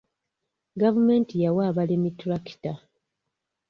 Gavumenti yawa abalimi ttulakita.